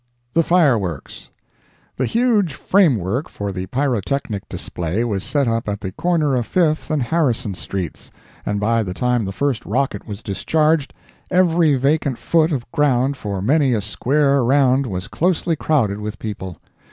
THE FIREWORKS.—The huge framework for the pyrotechnic display was set up at the corner of Fifth and Harrison streets, and by the time the first rocket was discharged, every vacant foot of ground for many a square around was closely crowded with people.